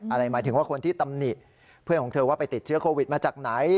หมายถึงว่าคนที่ตำหนิเพื่อนของเธอว่าไปติดเชื้อโควิดมาจากไหน